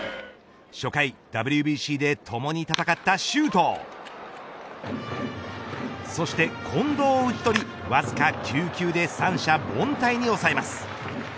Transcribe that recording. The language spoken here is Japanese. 初回ＷＢＣでともに戦った周東そして近藤を打ち取りわずか９球で三者凡退に抑えます。